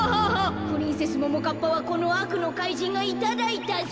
プリンセスももかっぱはこのあくのかいじんがいただいたぞ。